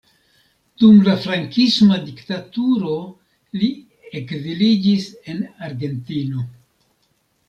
Dum la frankisma diktaturo li ekziliĝis en Argentino.